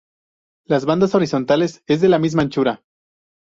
Las bandas horizontales es de la misma anchura.